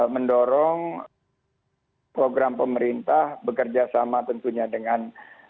mendorong program pemerintah bekerja sama tentunya dengan